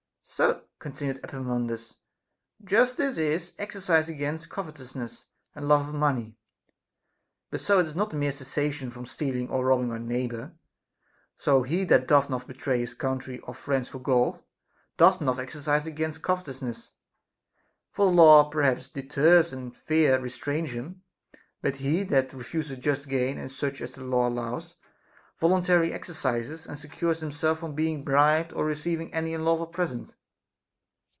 So, continued Epaminondas, justice is exercise against covetousness and love of money ; but so is not a mere cessation from stealing or robbing our neighbor. So he that doth not betray his country or friends for gold doth not exercise against covetousness, for the law perhaps deters, and fear restrains him ; but he 398 A DISCOURSE CONCERNING that refuseth just gain and such as the law allows, volun tarily exercises, and secures himself from being bribed or receiving any unlawful present.